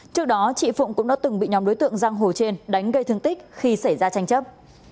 trước đó chị phụng cũng đã từng bị nhóm đối tượng giang hồ trên đánh gây thương tích khi xảy ra tranh chấp